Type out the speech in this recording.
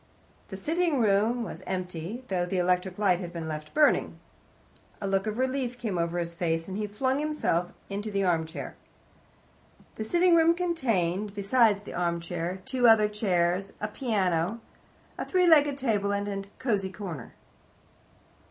The sitting room was empty, though the electric light had been left burning. A look of relief came over his face, and he flung himself into the armchair. The sitting room contained, besides the armchair, two other chairs, a piano, a three legged table, and a cosy corner.